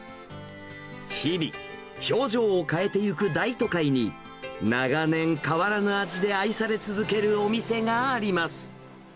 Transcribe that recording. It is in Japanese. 日々、表情を変えてゆく大都会に、長年、変わらぬ味で愛され続けるお店があります。